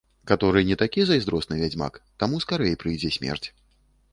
Каторы не такі зайздросны вядзьмак, таму скарэй прыйдзе смерць.